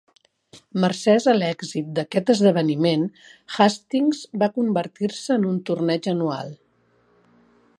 Mercès a l’èxit d’aquest esdeveniment, Hastings va convertir-se en un torneig anual.